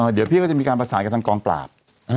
เดี๋ยวพี่ก็จะมีการประสานกับทางกองปราบ